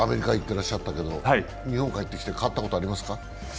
てらっしゃったけど日本に帰ってきて変わったことありますか？